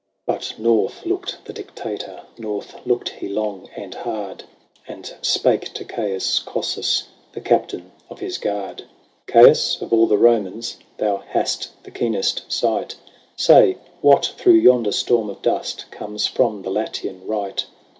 XX. But north looked the Dictator ; North looked he long and hard ; And spake to Caius Cossus, The Captain of his Guard :" Caius, of all the Romans Thou hast the keenest sight ; Say, what through yonder storm of dust Comes from the Latian right